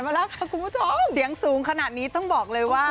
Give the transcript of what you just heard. มาแล้วค่ะคุณผู้ชมเสียงสูงขนาดนี้ต้องบอกเลยว่า